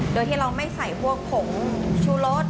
โดยที่เราไม่ใส่ผงชุโลศ